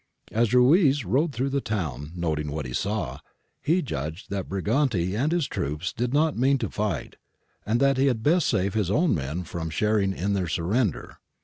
As Ruiz rode through the town noting what he saw, he judged that Briganti and his troops did not mean to fight, and that he had best save his own men from shar ing in their surrender.